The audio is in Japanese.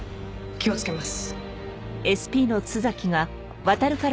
気をつけます。